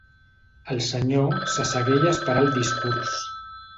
El senyor s'assegué i esperà el discurs.